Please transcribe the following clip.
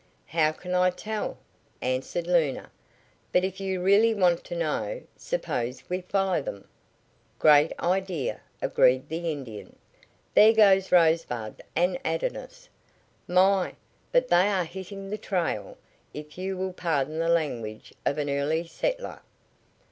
"How can I tell?" answered Luna. "But if you really want to know, suppose we follow them?" "Great idea!" agreed the Indian. "There goes Rosebud and Adonis. My, but they are hitting the trail, if you will pardon the language of an early settler.